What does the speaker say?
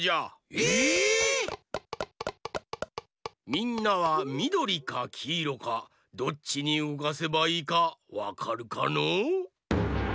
みんなはみどりかきいろかどっちにうごかせばいいかわかるかのう？